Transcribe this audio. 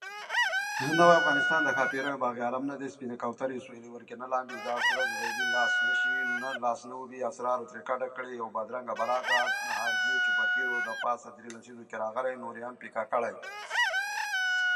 The song became the lead single of "Legion of Boom".